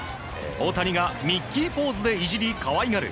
大谷がミッキーポーズでいじり可愛がる